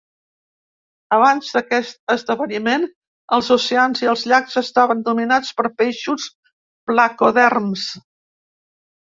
Abans d’aquest esdeveniment, els oceans i els llacs estaven dominats per peixos placoderms.